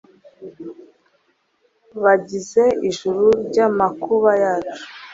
bagize ijuru ry'amakuba yacu. '